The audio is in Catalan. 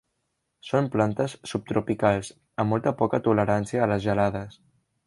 Són plantes subtropicals, amb molt poca tolerància a les gelades.